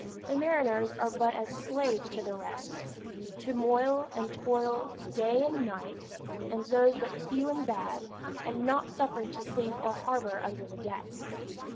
The mariners are but as slaves to the rest, to moil and to toil day and night; and those but few and bad, and not suffered to sleep or harbor under the decks.